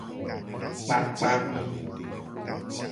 Kpakpa mi.